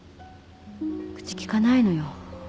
口利かないのよ。